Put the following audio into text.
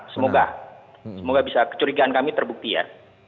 semoga semoga bisa kecurigaan kami terbukti ya